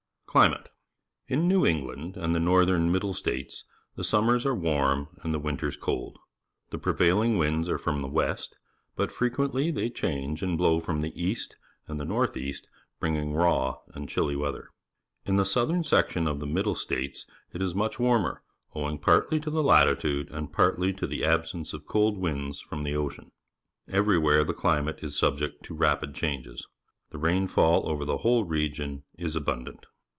Climate. — In New England and the North em Middle States the summers are warm and the winters cold. The prevailing winds are from the west, but frequently they change and blow from the east and the north east, bringing raw and chillj^ weather. Iii_llie southern section of the Middle States it is tnucft'^waiTOeF, owing partly to the latitiicte aScT partly to the absence of cold winds from the oci^m. l ' verywhere the climate is siibject to rapid changes. The rainfall over the whole region is abundant.